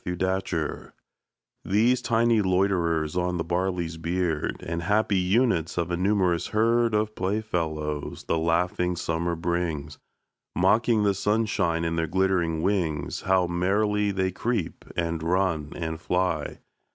Insects These tiny loiterers on the barley's beard, And happy units of a numerous herd Of playfellows, the laughing Summer brings, Mocking the sunshine in their glittering wings, How merrily they creep, and run, and fly!